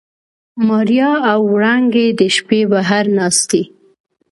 ماريا او وړانګې د شپې بهر ناستې.